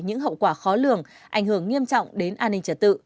những hậu quả khó lường ảnh hưởng nghiêm trọng đến an ninh trật tự